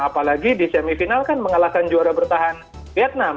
apalagi di semifinal kan mengalahkan juara bertahan vietnam